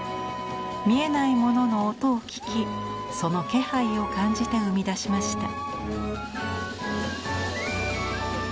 見えないものの音を聞きその気配を感じて生み出しました。